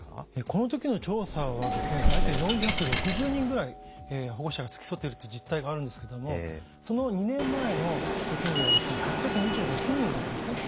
この時の調査は大体４６０人ぐらい保護者が付き添っているという実態があるんですけどもその２年前の時には８２６人だったんですね。